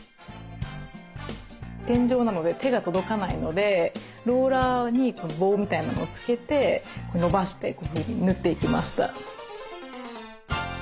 天井なので手が届かないのでローラーに棒みたいなのをつけて伸ばして塗っていきました。